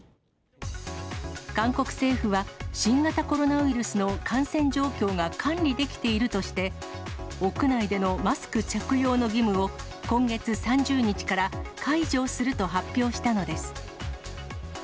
韓国政府は、新型コロナウイルスの感染状況が管理できているとして、屋内でのマスク着用の義務を、今月３０日から解除すると発表したのです。